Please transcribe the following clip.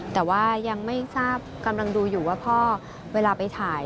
แต่ว่ายังไม่ทราบกำลังดูอยู่ว่าพ่อเวลาไปถ่าย